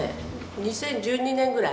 ２０１２年ぐらい？